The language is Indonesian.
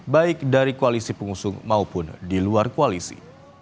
baik dari koalisi pengusung maupun di luar koalisi